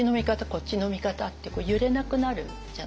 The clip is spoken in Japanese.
こっちの味方って揺れなくなるじゃないですか。